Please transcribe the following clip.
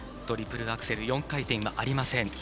トリプルアクセル４回転はありません。